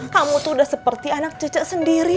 kamu tuh udah seperti anak cucu sendiri